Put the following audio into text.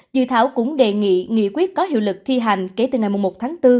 dự thảo cũng đề nghị nghị quyết có hiệu lực thi hành kể từ ngày một tháng bốn